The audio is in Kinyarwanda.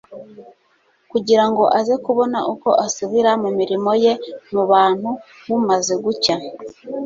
kugira ngo aze kubona uko asubira mu mirimo ye mu bantu bumaze gucya.